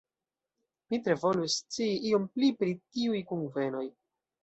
Mi tre volus scii iom pli pri tiuj kunvenoj.